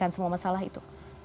bagaimana dengan semua masalah itu